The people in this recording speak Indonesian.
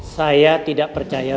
saya tidak percaya